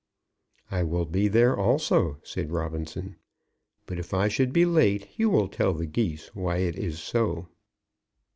"I will be there also," said Robinson. "But if I should be late, you will tell the Geese why it is so."